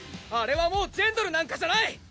あれはもうジェンドルなんかじゃない！